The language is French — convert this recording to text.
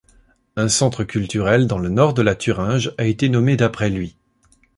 Un centre culturel dans le nord de la Thuringe a été nommé d'après lui.